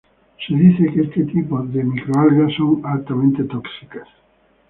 Se dice que este tipo de micro-algas son altamente tóxicas.